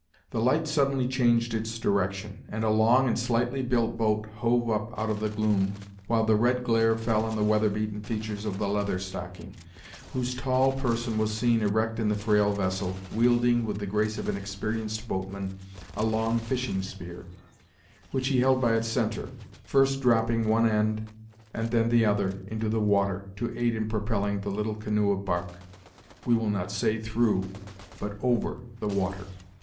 The light suddenly changed its direction, and a long and slightly built boat hove up out of the gloom, while the red glare fell on the weather beaten features of the Leather Stocking, whose tall person was seen erect in the frail vessel, wielding, with the grace of an experienced boatman, a long fishing spear, which he held by its centre, first dropping one end and then the other into the water, to aid in propelling the little canoe of bark, we will not say through, but over, the water.